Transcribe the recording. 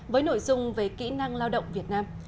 với nội dung về kỹ năng lao động việt nam